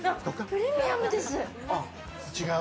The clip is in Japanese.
プレミアムです。